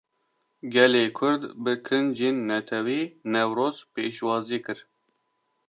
Gelê Kurd, bi kincên Netewî Newroz pêşwazî kir